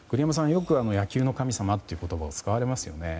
よく、野球の神様という言葉を使われますよね。